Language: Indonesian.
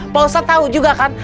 pak ustadz tau juga kan